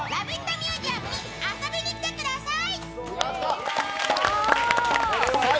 ミュージアムに遊びに来てください。